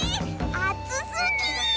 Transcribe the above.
あつすぎ！